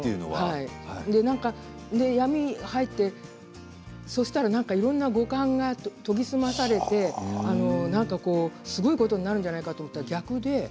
闇に入ってそうしたらいろいろな五感が研ぎ澄まされてすごいことになるんじゃないかと思ったら、逆で。